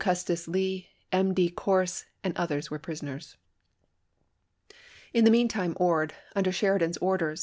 Custis Lee, M. D. Corse, and others were prisoners. In the mean time Ord, under Sheridan's orders, Api.